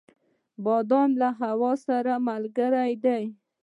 باد له هوا سره ملګری دی